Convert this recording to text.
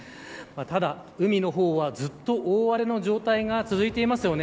ただ、海の方はずっと大荒れの状態が続いていますよね。